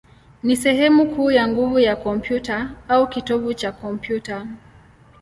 ni sehemu kuu ya nguvu ya kompyuta, au kitovu cha kompyuta.